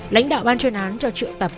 lãnh đạo ban truyền án cho trượng tập